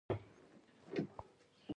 چین د کمربند او لارې پروژه پیل کړه.